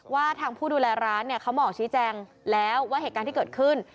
ว่าทางผู้ดูแลร้านเนี่ยเขาบอกชี้แจงแล้วว่าเหตุการณ์ที่เกิดขึ้น